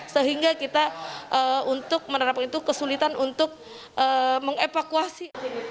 sehingga kita untuk menerapkan itu kesulitan untuk mengevakuasi